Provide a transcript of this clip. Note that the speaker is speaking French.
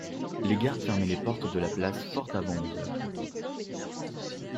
Les gardes fermaient les portes de la place forte avant onze heures.